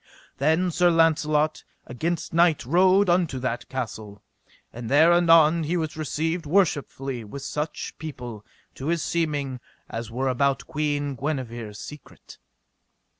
Then Sir Launcelot against night rode unto that castle, and there anon he was received worshipfully with such people, to his seeming, as were about Queen Guenever secret.